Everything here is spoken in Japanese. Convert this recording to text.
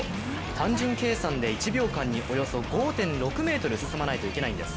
単純計算で１秒間におよそ５．６ｍ進まないといけないんです。